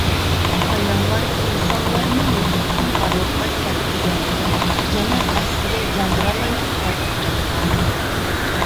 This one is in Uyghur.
ئاياللار ئىنسانلارنى يوقلۇقتىن بارلىققا كەلتۈرگەنىكەن، يەنە ئەكسىگە ياندۇرالايدۇ دەپ قارالغان.